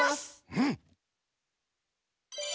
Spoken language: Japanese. うん！